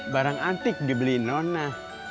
barang antik dibeli nona